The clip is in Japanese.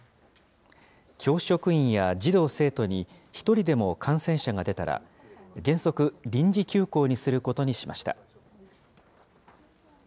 教職員や児童・生徒に１人でも感染者が出たら、原則臨時休校にすることにしました。